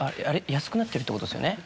安くなってるってことですよね。